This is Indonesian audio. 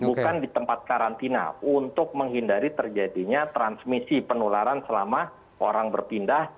bukan di tempat karantina untuk menghindari terjadinya transmisi penularan selama orang berpindah